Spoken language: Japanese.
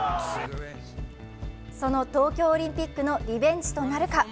その東京オリンピックのリベンジとなるか。